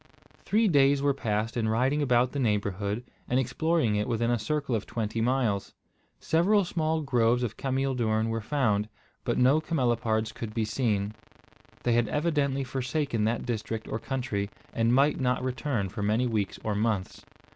Three days were passed in riding about the neighbourhood, and exploring it within a circle of twenty miles. Several small groves of cameel doorn were found, but no camelopards could be seen. They had evidently forsaken that district or country, and might not return for many weeks or months.